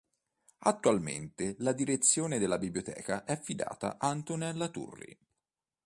Attualmente la direzione della biblioteca è affidata a Antonella Turri.